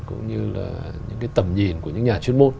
cũng như là những cái tầm nhìn của những nhà chuyên môn